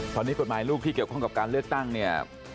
ตอนนี้กฎหมายลูกที่เกี่ยวข้องกับการเลือกตั้งเนี่ย